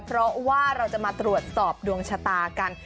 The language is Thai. เพราะว่าเราจะมาตรวจสอบดวงชะตากัน